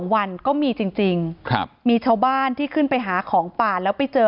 วันก็มีจริงมีชาวบ้านที่ขึ้นไปหาของป่าแล้วไปเจอ